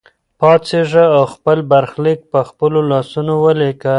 پاڅېږه او خپل برخلیک په خپلو لاسونو ولیکه.